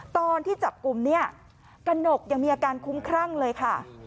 ตอนที่จับกลุ่มเนี่ยกระหนกยังมีอาการคุ้มครั่งเลยค่ะ